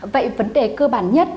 vậy vấn đề cơ bản nhất